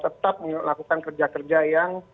tetap melakukan kerja kerja yang